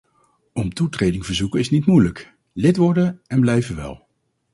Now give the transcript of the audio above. Om toetreding verzoeken is niet moeilijk, lid worden en blijven wel.